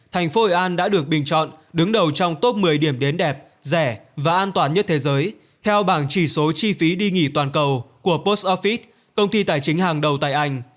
thành phố hội an đã được bình chọn đứng đầu trong top một mươi điểm đến đẹp rẻ và an toàn nhất thế giới theo bảng chỉ số chi phí đi nghỉ toàn cầu của post office công ty tài chính hàng đầu tại anh